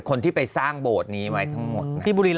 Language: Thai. คนที่ไปสร้างโบสถ์นี้ไว้ทั้งหมด